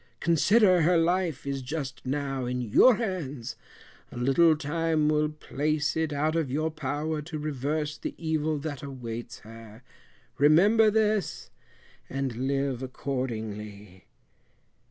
Consider her life is just now in your hands, a little time will place it out of your power to reverse the evil that awaits her. Remember this, and live accordingly."